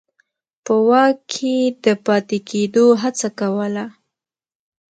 په واک کې د پاتې کېدو هڅه کوله.